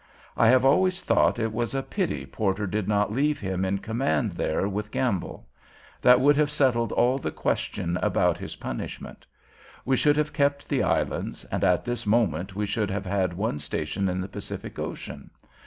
I have always thought it was a pity Porter did not leave him in command there with Gamble. That would have settled all the question about his punishment. We should have kept the islands, and at this moment we should have one station in the Pacific Ocean.